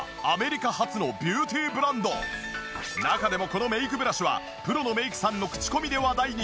中でもこのメイクブラシはプロのメイクさんの口コミで話題に。